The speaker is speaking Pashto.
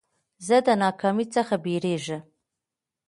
زه د ناکامۍ څخه بېرېږم.